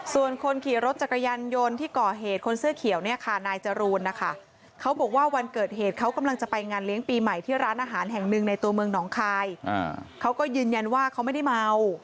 ส่วนคนขี่รถจักรยานยนต์ที่ก่อเหตุคนเสื้อเขียวเนี่ยค่ะนายจรูนนะคะเขาบอกว่าวันเกิดเหตุเขากำลังจะไปงานเลี้ยงปีใหม่ที่ร้านอาหารแห่งหนึ่งในตัวเมืองหนองคายเขาก็ยืนยันว่าเขาไม่ได้เมา